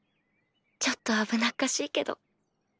ちょっと危なっかしいけど。